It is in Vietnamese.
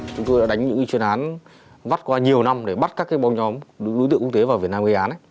chúng tôi đã đánh những chuyên án bắt qua nhiều năm để bắt các bóng nhóm đối tượng quốc tế vào việt nam gây án